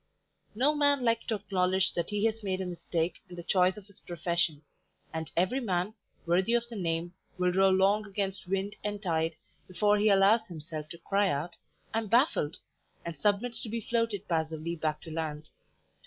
No man likes to acknowledge that he has made a mistake in the choice of his profession, and every man, worthy of the name, will row long against wind and tide before he allows himself to cry out, "I am baffled!" and submits to be floated passively back to land.